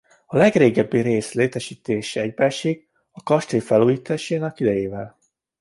A legrégebbi rész létesítése egybeesik a kastély felújításának idejével.